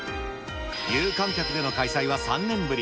有観客での開催は３年ぶり。